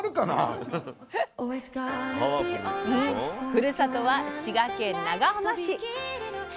ふるさとは滋賀県長浜市。